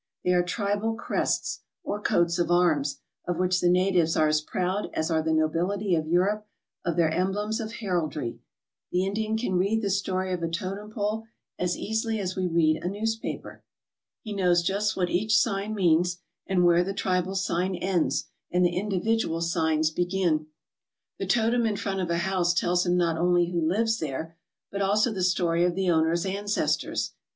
They are tribal crests or coats of arms, of which the natives are as proud as are the nobility of Europe of their emblems of heraldry. The Indian can read the story of a totem pole as easily as we read a news paper. He knows just what each sign means, and where the tribal sign ends and the individual signs begin. The totem in front of a house tells him not only who lives there, but also the story of the owner's ancestors.